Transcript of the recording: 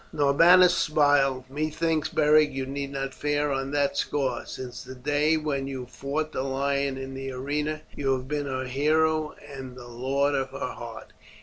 Norbanus smiled. "Methinks, Beric, you need not fear on that score. Since the day when you fought the lion in the arena you have been her hero and the lord of her heart.